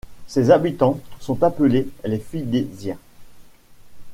Ses habitants sont appelés les Fidésiens.